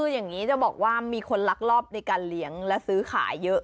คืออย่างนี้จะบอกว่ามีคนลักลอบในการเลี้ยงและซื้อขายเยอะ